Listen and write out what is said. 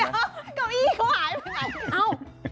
เดี๋ยวเก้าอี้เขาหายไป